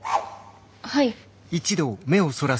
はい。